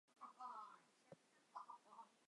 后与邰氏合股在后宰门兴建饭庄改称九华楼。